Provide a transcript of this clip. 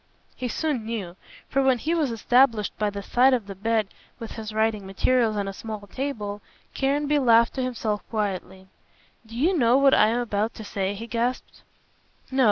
He soon knew, for when he was established by the side of the bed with his writing materials on a small table, Caranby laughed to himself quietly. "Do you know what I am about to say?" he gasped. "No.